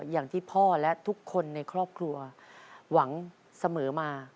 อย่างที่พ่อและทุกคนในครอบครัวหวังเสมอมา